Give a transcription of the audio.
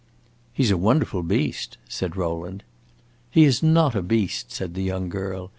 "He is a wonderful beast," said Rowland. "He is not a beast," said the young girl.